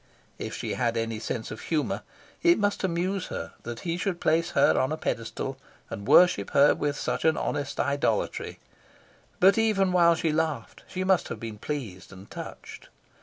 If she had any sense of humour, it must amuse her that he should place her on a pedestal and worship her with such an honest idolatry, but even while she laughed she must have been pleased and touched.